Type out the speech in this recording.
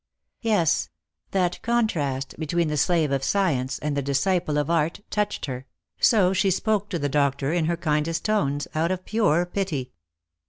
Yes; that contrast between the slave of science and the disciple of art touched her; so she spoke to the doctor in her kindest tones, out of pure pity.